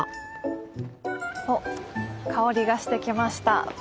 おっ香りがしてきました。